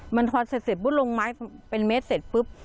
มันพอเสร็จปุ๊บลงไม้เป็นเมตรเสร็จปุ๊บ